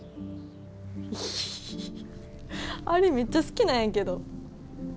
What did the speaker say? あれめっちゃ好きなんやけど。